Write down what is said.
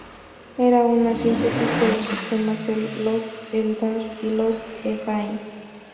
Era una síntesis de los sistemas de los Eldar y los Edain.